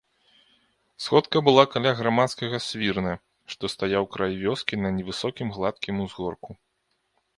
Сходка была каля грамадскага свірна, што стаяў край вёскі на невысокім гладкім узгорку.